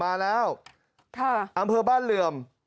มาแล้วอ่าอ่าอำเพอร์บ้านเหลื่อม